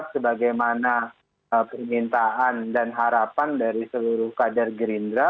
sebagaimana permintaan dan harapan dari seluruh kader gerindra